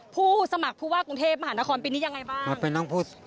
ผู้สมัครผู้ว่ากรุงเทพมหานครปีนี้ยังไงบ้าง